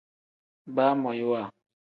Baamoyiwa.